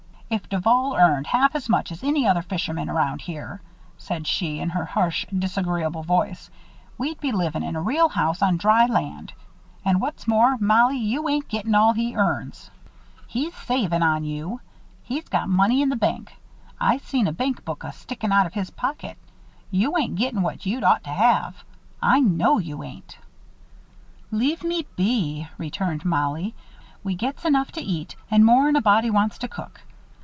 "If Duval earned half as much as any other fisherman around here," said she, in her harsh, disagreeable voice, "we'd be livin' in a real house on dry land. And what's more, Mollie, you ain't gettin' all he earns. He's savin' on you. He's got money in the bank. I seen a bankbook a stickin' out of his pocket. You ain't gettin' what you'd ought to have; I know you ain't." "Leave me be," returned Mollie. "We gets enough to eat and more'n a body wants to cook.